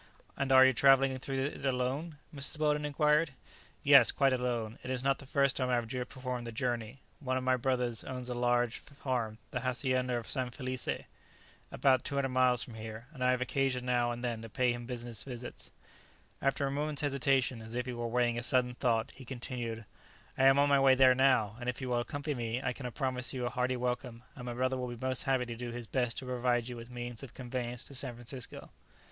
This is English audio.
"And are you travelling through it alone?" Mrs. Weldon inquired. "Yes, quite alone; and it is not the first time I have performed the journey. One of my brothers owns a large farm, the hacienda of San Felice, about 200 miles from here, and I have occasion now and then to pay him business visits." [Illustration: "He is my little son."] After a moment's hesitation, as if he were weighing a sudden thought, he continued, "I am on my way there now, and if you will accompany me I can promise you a hearty welcome, and my brother will be most happy to do his best to provide you with means of conveyance to San Francisco."